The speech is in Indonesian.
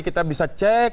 kita bisa cek